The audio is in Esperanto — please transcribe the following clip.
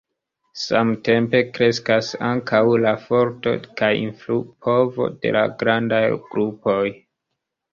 Samtempe kreskas ankaŭ la forto kaj influpovo de la grandaj grupoj.